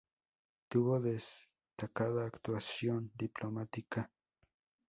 Tuvo destacada actuación diplomática.